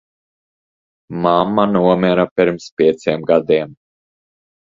Mamma nomira pirms pieciem gadiem.